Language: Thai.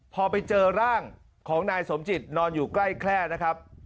พอไปเจอร่างของนายสมจิตนอนอยู่ใกล้แคล่นะครับ